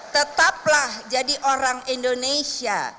tetaplah jadi orang indonesia